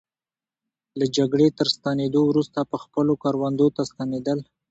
له جګړې تر ستنېدو وروسته به خپلو کروندو ته ستنېدل.